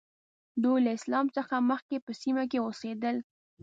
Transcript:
دوی له اسلام څخه مخکې په سیمه کې اوسېدل.